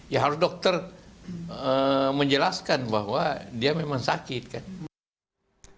ya harus dokter menjelaskan bahwa dia memang sakit kan